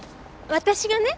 私がね。